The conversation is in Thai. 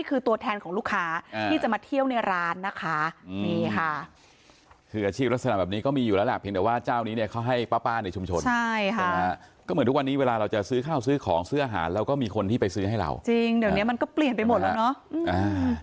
คืออาชีพลักษณะแบบนี้ก็มีอยู่แล้วแหละเพียงแต่ว่าเจ้านี้เนี่ยเขาให้ป้าป้าในชุมชนใช่ค่ะก็เหมือนทุกวันนี้เวลาเราจะซื้อข้าวซื้อของซื้ออาหารเราก็มีคนที่ไปซื้อให้เราจริงเดี๋ยวเนี้ยมันก็เปลี่ยนไปหมดแล้วเนาะอืมอ่า